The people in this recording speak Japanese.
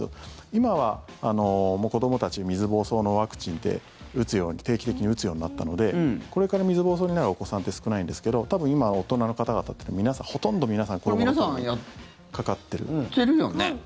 今は子どもたち水ぼうそうのワクチンって定期的に打つようになったのでこれから水ぼうそうになるお子さんって少ないんですけど多分、今、大人の方々ってほとんど皆さん皆さん、やってるよね？